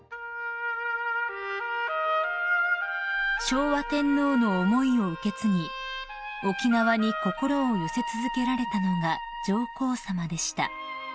［昭和天皇の思いを受け継ぎ沖縄に心を寄せ続けられたのが上皇さまでした］